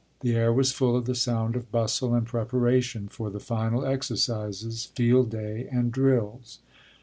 The air was full of the sound of bustle and preparation for the final exercises, field day, and drills.